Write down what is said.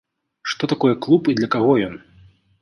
Што такое клуб і для каго ён?